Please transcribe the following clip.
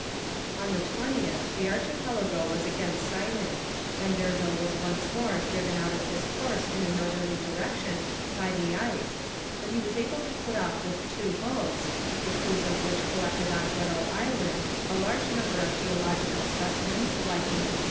On the 20th the archipelago was again sighted, and D'Urville was once more driven out of his course in a northerly direction by the ice, but he was able to put off with two boats, the crews of which collected on Weddell Island a large number of geological specimens, lichens, &c.